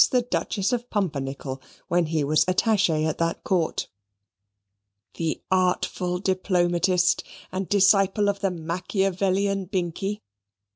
the Duchess of Pumpernickel, when he was attache at that court. The artful diplomatist and disciple of the Machiavellian Binkie!